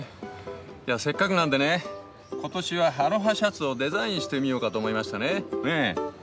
せっかくなんでね今年はアロハシャツをデザインしてみようかと思いましてね。